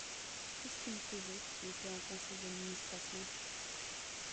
Qu’est-ce qui me prouvait que tu étais en Conseil d’Administration ?